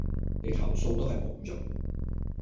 你投訴都係無用